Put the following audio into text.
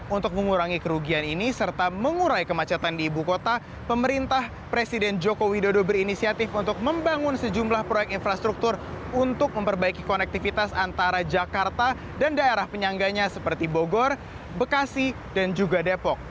untuk mengurangi kerugian ini serta mengurai kemacetan di ibu kota pemerintah presiden joko widodo berinisiatif untuk membangun sejumlah proyek infrastruktur untuk memperbaiki konektivitas antara jakarta dan daerah penyangganya seperti bogor bekasi dan juga depok